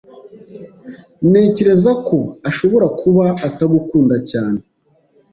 Ntekereza ko ashobora kuba atagukunda cyane.